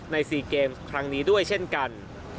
๔เกมส์ครั้งนี้ด้วยเช่นกัน